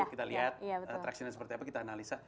kita lihat atraksinya seperti apa kita analisa